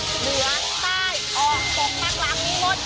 เหลือใต้ออกปลกมักหลักมีหมด